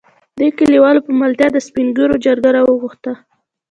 دې کليوالو په ملتيا د سپين ږېرو جرګه راوغښته.